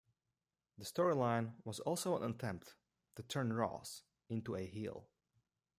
The storyline was also an attempt to turn Ross into a heel.